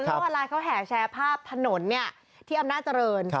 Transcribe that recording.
โลกอัลไลน์เขาแห่แชร์ภาพถนนที่อำนาจรณ์